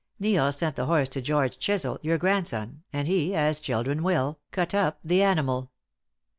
Neil sent the horse to George Chisel, your grandson, and he, as children will, cut up the animal.